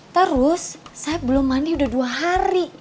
terus saya belum mandi udah dua hari